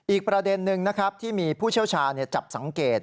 อีกประเด็นนึงนะครับที่มีผู้เชี่ยวชาจับสังเกต